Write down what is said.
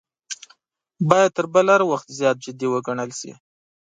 باید تر بل هر وخت زیات جدي وګڼل شي.